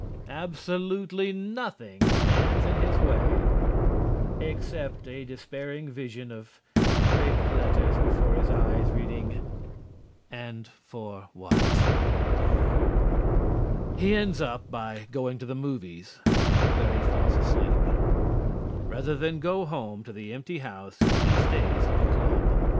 Absolutely nothing stands in his way, except a dispairing vision of crêpe letters before his eyes reading:" And For What?" He ends up by going to the movies where he falls asleep. Rather than go home to the empty house he stays at the club.